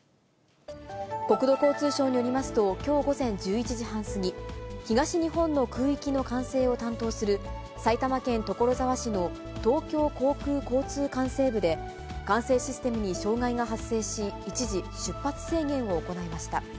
国土交通省によりますと、きょう午前１１時半過ぎ、東日本の空域の管制を担当する、埼玉県所沢市の東京航空交通管制部で、管制システムに障害が発生し、一時、出発制限を行いました。